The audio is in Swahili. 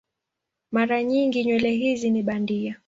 Mara nyingi nywele hizi ni bandia.